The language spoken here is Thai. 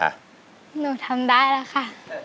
หนูทำได้แล้วค่ะ